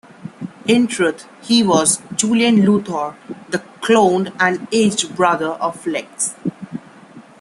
In truth, he was Julian Luthor, the cloned and aged brother of Lex.